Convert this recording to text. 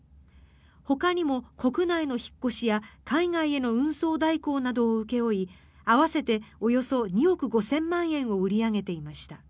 ほかにも国内の引っ越しや海外への運送代行などを請け負い合わせておよそ２億５０００万円を売り上げていました。